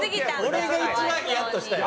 俺が一番ヒヤッとしたよ。